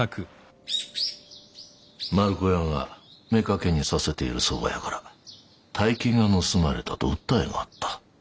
丸子屋が妾にさせているそば屋から大金が盗まれたと訴えがあった。